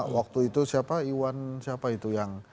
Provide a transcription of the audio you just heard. waktu itu siapa iwan siapa itu yang